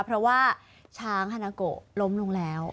เพราะว่าช้างฮานาโกะล้มลงแล้ว